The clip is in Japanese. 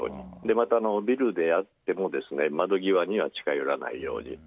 またビルであっても窓際には近寄らないように。